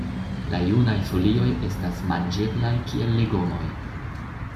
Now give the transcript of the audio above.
La junaj folioj estas manĝeblaj kiel legomoj.